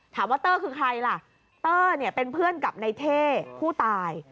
ถามว่าเต้อคือใครล่ะเต้อเนี่ยเป็นเพื่อนกับนายเท่ผู้ตาย